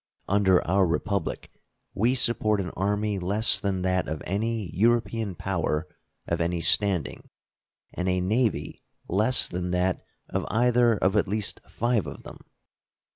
Under our Republic we support an army less than that of any European power of any standing and a navy less than that of either of at least five of them.